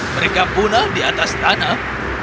mereka punah di atas tanah